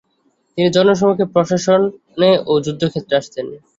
তিনি জনসম্মুখে, প্রশাসনে ও যুদ্ধক্ষেত্রে আসতেন।